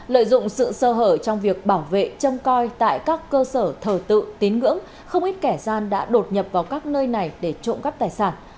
lợi dụng sự sơ hở trong việc bảo vệ châm coi tại các cơ sở thờ tự tín ngưỡng không ít kẻ gian đã đột nhập vào các nơi này để trộm cắp tài sản